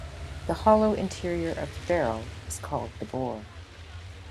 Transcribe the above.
The hollow interior of the barrel is called the bore.